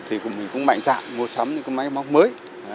thì mình cũng mạnh dạng mua sắm những cái máy móc mới